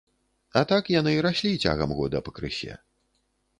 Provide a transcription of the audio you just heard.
А так яны раслі цягам года па крысе.